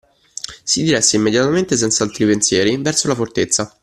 Si diresse immediatamente, senza altri pensieri, verso la fortezza